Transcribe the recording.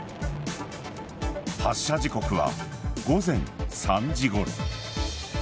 発射時刻は午前３時ごろ。